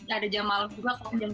ada jam malam juga kalau jam tujuh